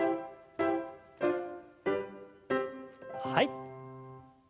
はい。